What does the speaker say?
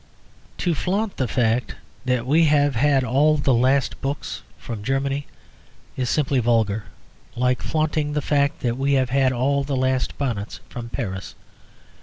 To flaunt the fact that we have had all the last books from Germany is simply vulgar; like flaunting the fact that we have had all the last bonnets from Paris.